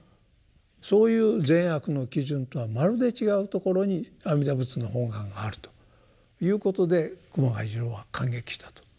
そういう善悪の基準とはまるで違うところに阿弥陀仏の本願があるということで熊谷次郎は感激したと。